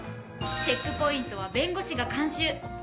チェックポイントは弁護士が監修。